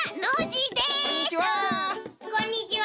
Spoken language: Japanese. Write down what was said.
こんにちは！